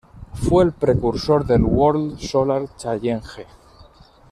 Fue el precursor del "World Solar Challenge".